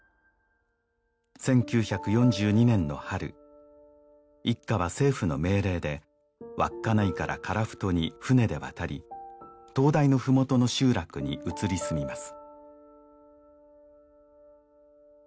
１９４２年の春一家は政府の命令で稚内から樺太に船で渡り灯台のふもとの集落に移り住みます